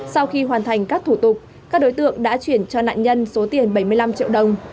sau khi hoàn thành các thủ tục các đối tượng đã chuyển cho nạn nhân số tiền bảy mươi năm triệu đồng